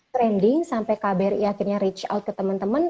trending sampai kbri akhirnya reach out ke teman teman